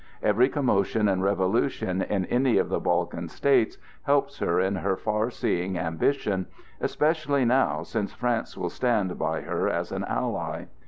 Every commotion and revolution in any of the Balkan states helps her in her far seeing ambition, especially now since France will stand by her as an ally.